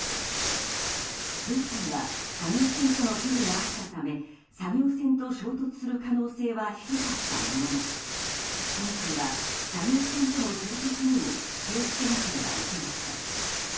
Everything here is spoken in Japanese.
前回は作業船との距離があったため作業船と衝突する可能性は低かったものの今回は、作業船との衝突にも気を付けなければいけません。